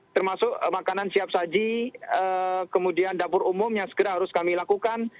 termasuk makanan siap saji kemudian dapur umum yang segera harus kami lakukan